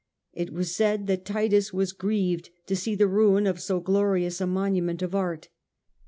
It was said that Titus was grieved to see the ruin of so glorious a monument of art.